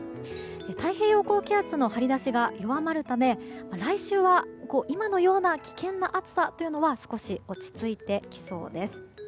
太平洋高気圧の張り出しが弱まるため来週は今のような危険な暑さというのは少し落ち着いてきそうです。